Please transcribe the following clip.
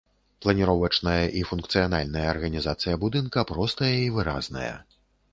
Планіровачная і функцыянальная арганізацыя будынка простая і выразная.